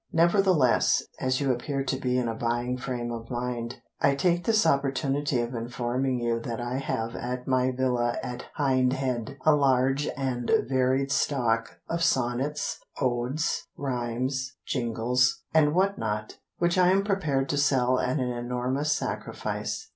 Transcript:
Nevertheless, as you appear to be in a buying frame of mind, I take this opportunity of informing you That I have at my villa at Hindhead A large and varied stock Of sonnets, odes, rhymes, jingles, and what not, Which I am prepared to sell at an enormous sacrifice.